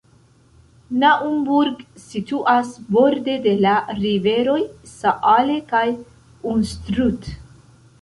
Naumburg situas borde de la riveroj Saale kaj Unstrut.